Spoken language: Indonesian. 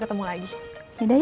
kita lupain soal itu ya